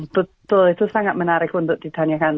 betul itu sangat menarik untuk ditanyakan